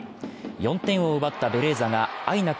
４点を奪ったベレーザがＩＮＡＣ